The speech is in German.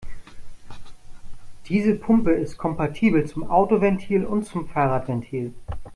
Diese Pumpe ist kompatibel zum Autoventil und zum Fahrradventil.